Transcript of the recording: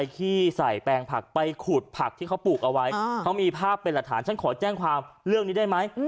เขามีภาพเป็นอัฐานฉันขอแจ้งความเรื่องนี้ได้ไหม